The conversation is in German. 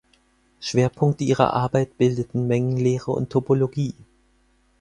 Schwerpunkte ihrer Arbeit bildeten Mengenlehre und Topologie.